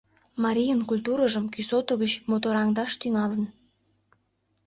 Марийын культурыжым кӱсото гыч мотораҥдаш тӱҥалын.